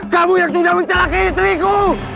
kamu yang sudah mencelakai istriku